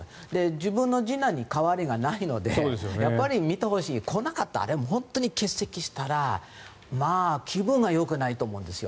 自分の次男に代わりがないので見てほしい。来なかったら、欠席したら気分がよくないと思うんですよ。